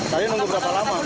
saya nunggu berapa lama